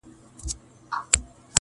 ګورﺉقاسم یار چي په ګناه کي هم تقوا کوي,